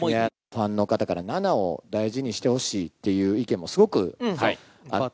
ファンの方から７を大事にしてほしいっていう意見もすごくあって。